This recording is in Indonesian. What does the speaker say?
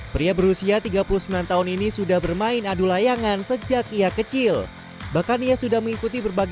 sebelum ini kita bisa lihat dari salah satu tempat